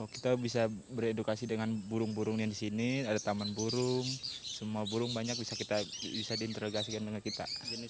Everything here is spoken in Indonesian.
kita bisa beredukasi dengan burung burung yang di sini ada taman burung semua burung banyak bisa diinterogasikan dengan kita